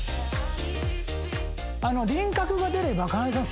輪郭が出ればかなでさん